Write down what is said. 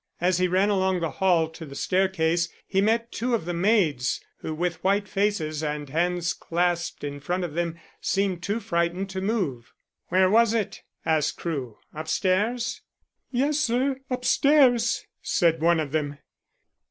As he ran along the hall to the staircase he met two of the maids, who with white faces and hands clasped in front of them seemed too frightened to move. "Where was it?" asked Crewe. "Upstairs?" "Yes, sir, upstairs," said one of them.